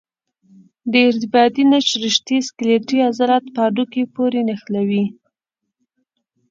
د ارتباطي نسج رشتې سکلیټي عضلات په هډوکو پورې نښلوي.